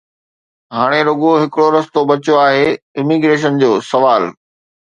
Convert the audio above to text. ھاڻي رڳو ھڪڙو رستو بچيو آھي: اميگريشن جو سوال